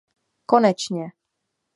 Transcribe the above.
Konečně!